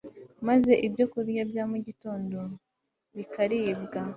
maze ibyokurya bya mugitondo bikaribwa